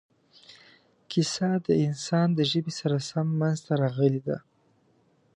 کیسه د انسان د ژبې سره سم منځته راغلې ده.